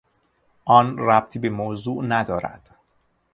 آن ربطی به موضوع ندارد.